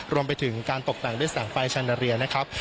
รวมไปถึงการตกแต่งด้วยแสงไฟชานาเรียนะครับ